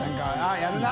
△やるな？